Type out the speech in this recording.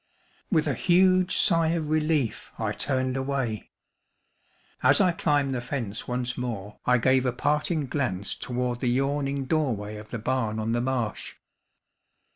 With a huge sigh of relief I turned away. As I climbed the fence once more I gave a parting glance toward the yawning doorway of the barn on the marsh.